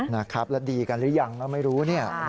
นะครับแล้วดีกันหรือยังก็ไม่รู้เนี่ย